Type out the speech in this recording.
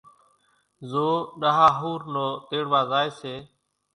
زو ڏۿا ۿور نو تيڙوا زائي سي،